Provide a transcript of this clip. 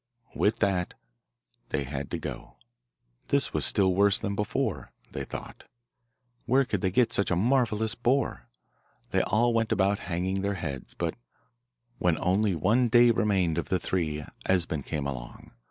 With that they had to go. This was still worse than before, they thought. Where could they get such a marvellous boar? They all went about hanging their heads; but when only one day remained of the three Esben came along.